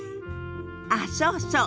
あっそうそう。